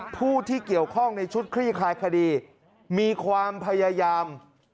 ผู้ที่เกี่ยวข้องในชุดคลี่คลายคดีมีความพยายาม